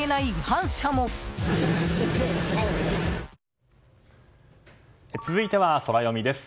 わかるぞ続いてはソラよみです。